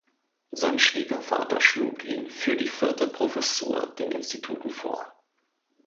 Sein Schwiegervater schlug ihn für die vierte Professur den Instituten vor.